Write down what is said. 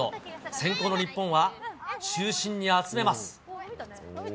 先攻の日本は、中心に集めます。